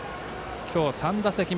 今日、３打席目。